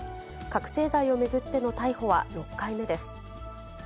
覚醒剤を巡っての逮捕は６回目です。